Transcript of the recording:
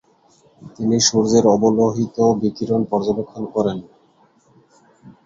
তিনি সূর্যের অবলোহিত বিকিরণ পর্যবেক্ষণ করেন।